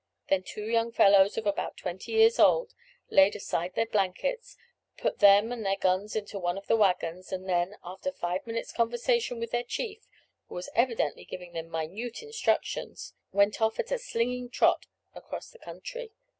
Then two young fellows of about twenty years old laid aside their blankets, put them and their guns into one of the waggons, and then, after five minutes' conversation with their chief, who was evidently giving them minute instructions, went off at a slinging trot across the country.